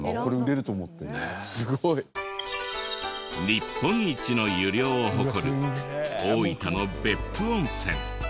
日本一の湯量を誇る大分の別府温泉。